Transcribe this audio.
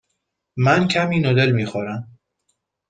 من کمی نودل می خورم.